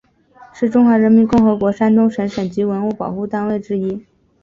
是中华人民共和国山东省省级文物保护单位之一。